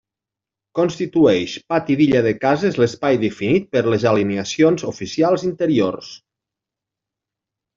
Constitueix pati d'illa de cases l'espai definit per les alineacions oficials interiors.